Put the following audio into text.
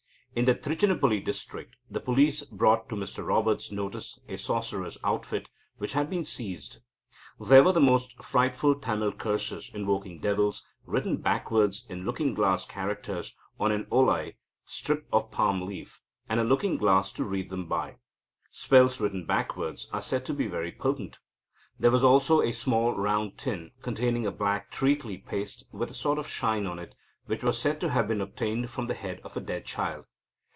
In the Trichinopoly district, the police brought to Mr Roberts' notice a sorcerer's outfit, which had been seized. There were the most frightful Tamil curses invoking devils, written backwards in "looking glass characters" on an olai (strip of palm leaf), and a looking glass to read them by. Spells written backwards are said to be very potent. There was also a small round tin, containing a black treacly paste with a sort of shine on it, which was said to have been obtained from the head of a dead child.